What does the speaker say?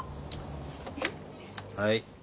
☎はい。